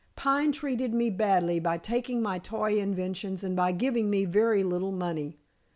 "Pine treated me badly by taking my toy inventions and by giving me very little money.